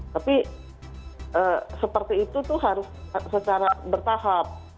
tapi seperti itu tuh harus secara bertahap